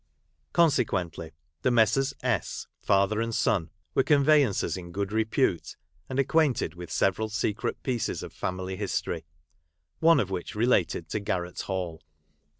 Consequently the Messrs. , father and son, were conveyancers in good repute, and acquainted with several secret pieces of family history ; one of which related to Garratt Hall.